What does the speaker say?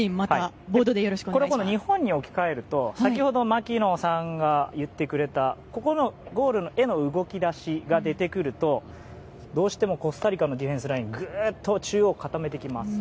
日本に置き換えると先ほど槙野さんが言ってくれたここのゴールへの動き出しが出てくるとどうしてもコスタリカのディフェンスラインが中央を固めてきます。